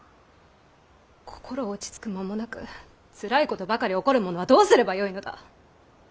心落ち着く間もなくつらいことばかり起こる者はどうすればよいのだ！